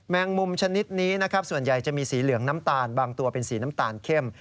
งมุมชนิดนี้นะครับส่วนใหญ่จะมีสีเหลืองน้ำตาลบางตัวเป็นสีน้ำตาลเข้ม